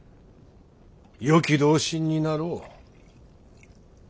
良き同心になろう。